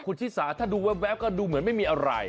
คุณชิสาถ้าดูแว๊บก็ดูเหมือนไม่มีอะไร